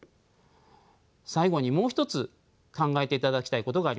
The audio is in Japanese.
最後にもう一つ考えていただきたいことがあります。